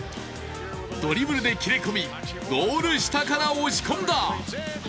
ドリブルで切り込み、ゴール下から押し込んだ。